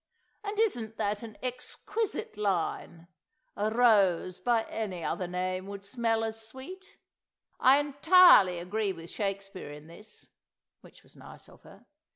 And isn't that an exquisite line, 'A rose by any other name would smell as sweet'? I entirely agree with Shakespeare in this" (which was nice of her!)